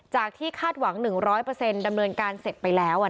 ที่คาดหวัง๑๐๐ดำเนินการเสร็จไปแล้ว